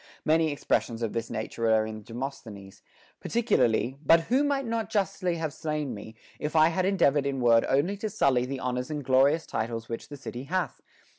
Many expressions of this nature are in Demosthenes ; particularly, But who might not justly have slain me, if I had endeavored in word only to sully the honors and glorious titles which the city hath